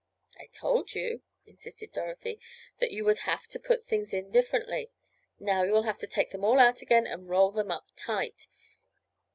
"I told you," insisted Dorothy, "that you would have to put the things in differently. Now you will have to take them all out again and roll them up tight.